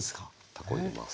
たこ入れます。